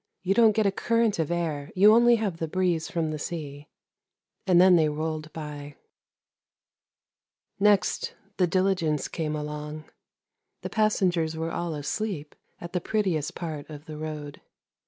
' You don't get a current of air, you only have the breeze from the sea,' and then they rolled by. Next, the diligence came along. The passengers were all asleep at the prettiest part of the road.